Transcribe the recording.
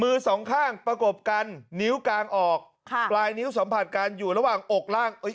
มือสองข้างประกบกันฝั่งกรรมนิ้วกลางออกเปล่าบาน้ำสังเกตลงบุรุษระวางออกล่าง